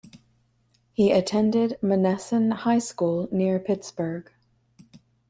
He attended Monessen High School near Pittsburgh.